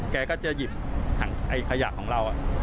แกก็จะหยิบถังขยะของเรา